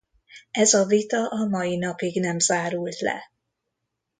Ez a vita a mai napig nem zárult le.